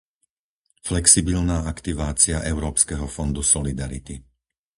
flexibilná aktivácia Európskeho fondu solidarity,